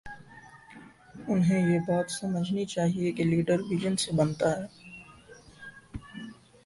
انہیں یہ بات سمجھنی چاہیے کہ لیڈر وژن سے بنتا ہے۔